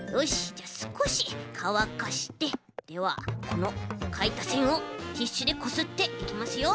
じゃあすこしかわかしてではこのかいたせんをティッシュでこすっていきますよ。